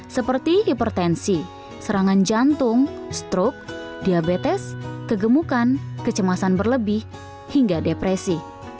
seperti hipertensi serangan jantung stroke diabetes kegemukan kecemasan berlebih hingga depresi